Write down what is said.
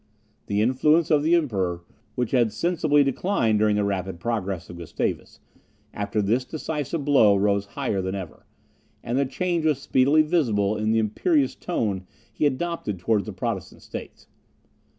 The influence of the Emperor, which had sensibly declined during the rapid progress of Gustavus, after this decisive blow rose higher than ever; and the change was speedily visible in the imperious tone he adopted towards the Protestant states.